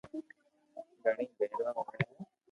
گھڙو پيروا ھوئي ھي